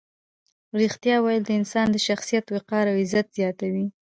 ریښتیا ویل د انسان د شخصیت وقار او عزت زیاتوي.